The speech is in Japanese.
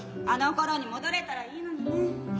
あのころに戻れたらいいのにね。